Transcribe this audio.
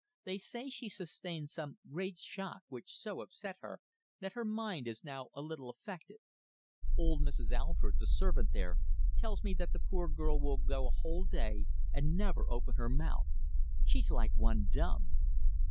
They say she sustained some great shock which so upset her that her mind is now a little affected. Old Mrs. Alford, the servant there, tells me that the poor girl will go a whole day and never open her mouth. She's like one dumb!"